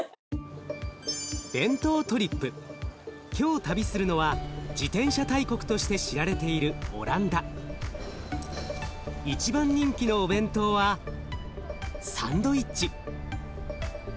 今日旅するのは自転車大国として知られている一番人気のお弁当はサンドイッチ。